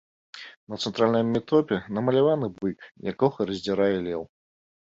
На цэнтральнай метопе намаляваны бык, якога раздзірае леў.